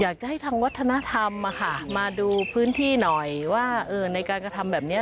อยากจะให้ทางวัฒนธรรมมาดูพื้นที่หน่อยว่าในการกระทำแบบนี้